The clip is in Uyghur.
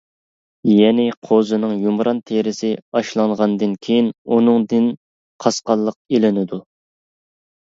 يەنى قوزىنىڭ يۇمران تېرىسى ئاشلانغاندىن كېيىن، ئۇنىڭدىن قاسقانلىق ئېلىنىدۇ.